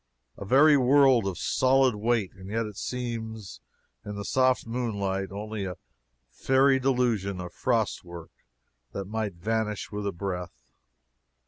A very world of solid weight, and yet it seems in the soft moonlight only a fairy delusion of frost work that might vanish with a breath!